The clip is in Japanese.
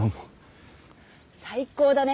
最高だね。